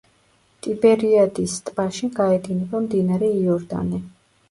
ტიბერიადის ტბაში გაედინება მდინარე იორდანე.